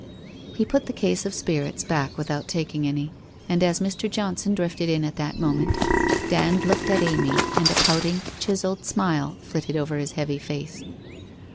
He put the case of spirits back without taking any, and as Mr. Johnson drifted in at that moment, Dand looked at Amy and a pouting, chiselled smile flitted over his heavy face.